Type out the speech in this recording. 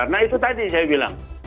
nah itu tadi saya bilang